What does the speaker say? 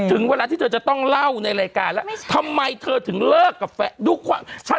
ถึงเวลาที่เธอจะต้องเล่าในรายการแล้วทำไมเธอถึงเลิกกับแฟนทุกคน